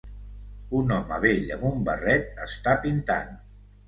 Un home vell amb un barret està pintant